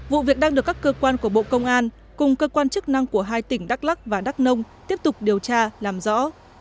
vụ việc đang được các cơ quan của bộ công an cùng cơ quan chức năng của hai tỉnh đắk lắc và đắk nông tiếp tục điều tra làm rõ